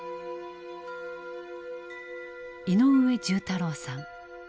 井上重太郎さん。